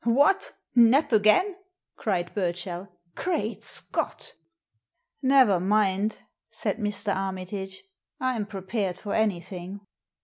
" What, Nap again !" cried Burchell. * Great Scott!" " Never mind," said Mr. Armitage, " Tm prepared for anything."